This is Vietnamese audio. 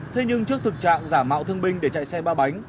thế nhưng trước thực trạng giả mạo thương binh để chạy xe ba bánh